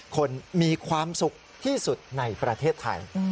คนมีความสุขที่สุดในประเทศไทย